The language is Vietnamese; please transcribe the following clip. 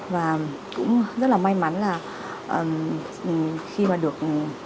và cũng rất là may mắn là khi mà được